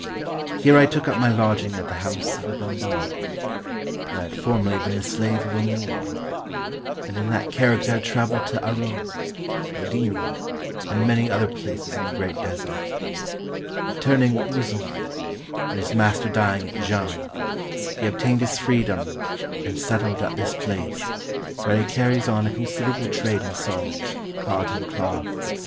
Here I took up my lodging at the house of a Bambarran, who had formerly been the slave of a Moor, and in that character had traveled to Aroan, Towdinni, and many other places in the Great Desert; but turning Mussulman, and his master dying at Jenne, he obtained his freedom, and settled at this place, where he carries on a considerable trade in salt, cotton cloth, etc.